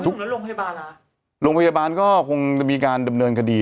โรงพยาบาลเหรอโรงพยาบาลก็คงจะมีการดำเนินคดี